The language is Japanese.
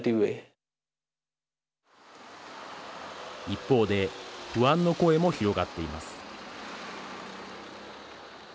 一方で不安の声も広がっています。